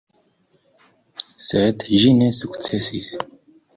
Sed ĝi ne sukcesis.